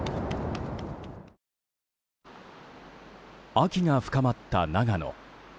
秋が深まった長野。